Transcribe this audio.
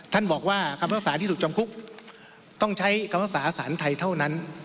ท่านบอกว่ากรรมศาสตร์ที่สุดจำคุกต้องใช้กรรมศาสตร์ฐานไทยเท่านั้น